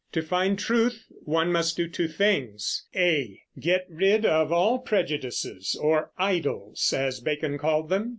To find truth one must do two things: (a) get rid of all prejudices or idols, as Bacon called them.